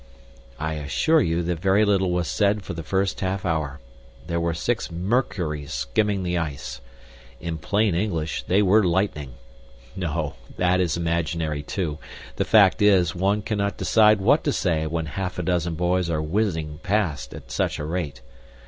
I assure you that very little was said for the first half hour. They were six Mercuries skimming the ice. In plain English, they were lightning. No that is imaginary too. The fact is, one cannot decide what to say when half a dozen boys are whizzing past at such a rate.